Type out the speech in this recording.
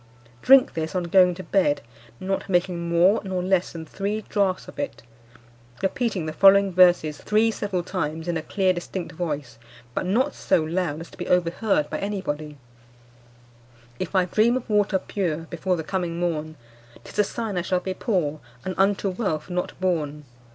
Drink this on going to bed, not making more nor less than three draughts of it; repeating the following verses three several times in a clear distinct voice, but not so loud as to be overheard by any body: 'If I dream of water pure Before the coming morn, 'Tis a sign I shall be poor, And unto wealth not born.